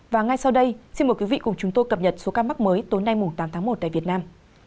và ngay sau đây xin mời quý vị cùng chúng tôi cập nhật số ca mắc mới tối nay tám tháng một tại việt nam